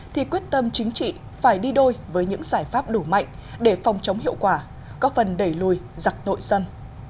thì quyết tâm chính trị phải đi đôi với những giải pháp đủ mạnh để phòng chống hiệu quả góp phần đẩy lùi giặc nội dân